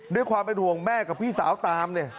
ด้วยความเป็นห่วงแม่กับพี่สาวตามเนี่ย